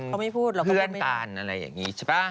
เขาไม่พูดหรอกเพื่อนอะไรอย่างนี้ใช่ป่ะ